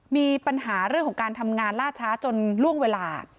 มีปัญหาเรื่องของการทำงานล่าช้าจนล่วงเวลา